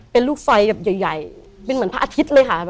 เป็นลูกไฟแบบใหญ่เป็นเหมือนพระอาทิตย์เลยค่ะ